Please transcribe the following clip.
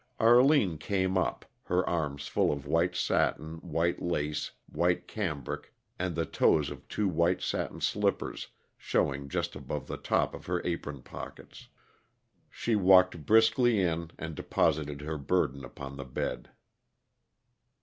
Arline came up, her arms full of white satin, white lace, white cambric, and the toes of two white satin slippers showing just above the top of her apron pockets. She walked briskly in and deposited her burden upon the bed.